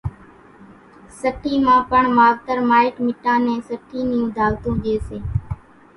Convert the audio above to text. سٺِي مان پڻ ماوَتر مائٽ مِٽان نين سٺِي نيون ڌاوَتون ڄيَ سي۔